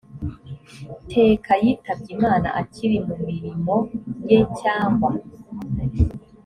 teka yitabye imana akiri mu mirimo ye cyangwa?